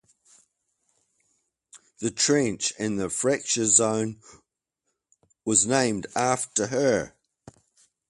The trench (and the Fracture Zone) was named after her.